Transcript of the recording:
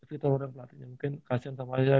kita orang pelatihnya mungkin kasihan sama aja